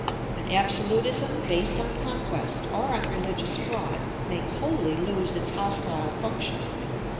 An absolutism based on conquest or on religious fraud may wholly lose its hostile function.